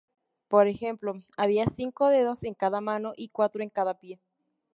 Por ejemplo, había cinco dedos en cada mano y cuatro en cada pie.